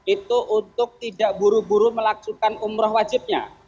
itu untuk tidak buru buru melaksukan umrah wajibnya